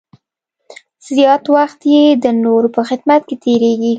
زیات وخت یې د نورو په خدمت کې تېرېږي.